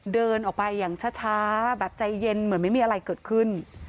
เดินออกไปอย่างช้าแบบใจเย็นเหมือนไม่มีอะไรเกิดขึ้น